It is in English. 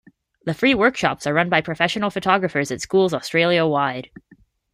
The free workshops are run by professional photographers at schools Australia wide.